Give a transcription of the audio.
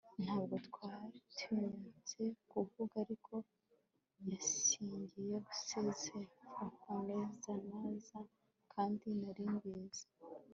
Ntabwo twatinyutse kuvuga ariko yasinyiye Gusezerafareneza kandi nari mbizi